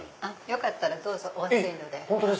よかったらどうぞお暑いので。